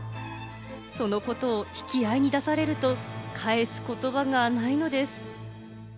そのことを引き合いに出されると返す言葉がないのです。